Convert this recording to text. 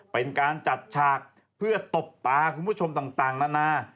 เป็นการจัดฉากเพื่อตบตาคุณผู้ชมต่างนานา